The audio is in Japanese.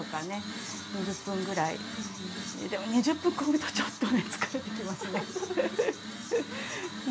でも２０分こぐとちょっと疲れてきますね。